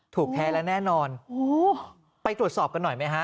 แท้แล้วแน่นอนไปตรวจสอบกันหน่อยไหมฮะ